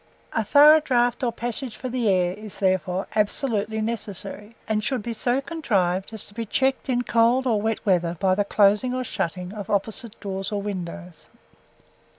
A thorough draught or passage for the air is, therefore, absolutely necessary, and should be so contrived as to be checked in cold or wet weather by the closing or shutting of opposite doors or windows.